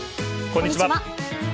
こんにちは。